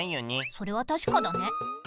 それはたしかだね。